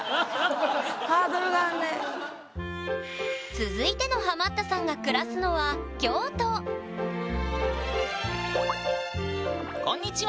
続いてのハマったさんが暮らすのは京都こんにちは。